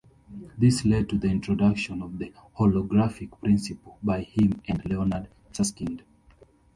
This led to the introduction of the holographic principle by him and Leonard Susskind.